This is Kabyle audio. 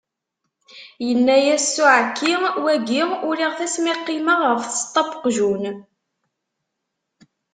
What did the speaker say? Yenna-as s uɛekki, wagi uriɣ-t asmi qqimeɣ ɣef tseṭṭa n weqjun.